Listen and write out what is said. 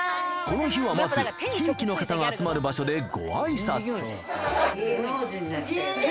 この日はまず地域の方が集まる場所でご挨拶